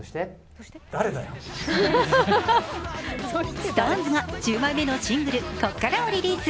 ＳｉｘＴＯＮＥＳが１０枚目のシングル「こっから」をリリース。